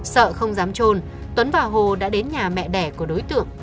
sợ không dám trôn tuấn và hồ đã đến nhà mẹ đẻ của đối tượng